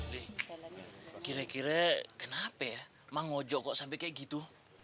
lih kira kira kenapa ya bang ojo kok sampai kaya gitu